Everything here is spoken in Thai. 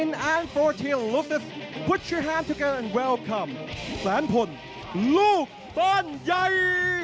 คำแสนพลลูกบ้านใหญ่